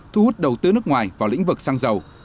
thu hút đầu tư nước ngoài vào lĩnh vực xăng dầu